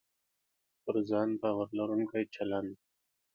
پر ځان باور لرونکی چلند